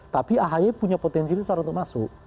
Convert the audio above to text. tapi ahy punya potensi besar untuk masuk